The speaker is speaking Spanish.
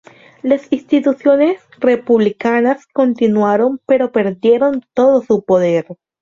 Las instituciones republicanas continuaron, pero perdieron todo su poder.